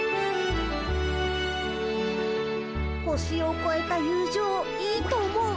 星をこえた友情いいと思う。